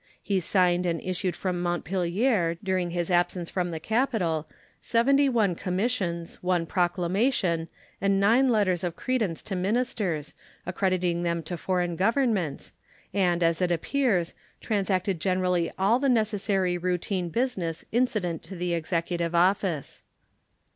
He signed and issued from Montpelier during his absence from the capital seventy one commissions, one proclamation, and nine letters of credence to ministers, accrediting them to foreign governments, and, as it appears, transacted generally all the necessary routine business incident to the Executive office.